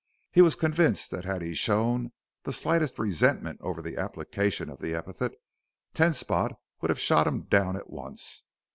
He was convinced that had he shown the slightest resentment over the application of the epithet Ten Spot would have shot him down at once.